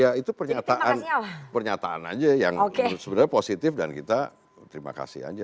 ya itu pernyataan pernyataan saja yang sebenarnya positif dan kita terima kasih saja